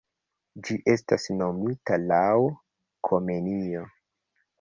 Ĝi estas nomita laŭ Komenio.